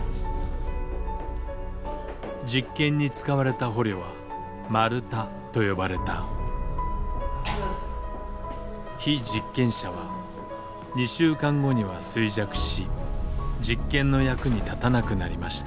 実験に使われた捕虜は『マルタ』と呼ばれた「被実験者は２週間後には衰弱し実験の役に立たなくなりました。